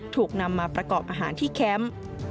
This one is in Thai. ถูกนำมาประกอบอาหารที่แคมป์